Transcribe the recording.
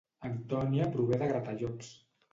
Antònia prové de Gratallops